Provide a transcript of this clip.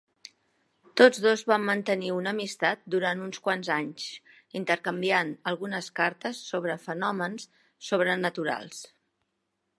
Tots dos van mantenir una amistat durant uns quants anys, intercanviant algunes cartes sobre fenòmens sobrenaturals.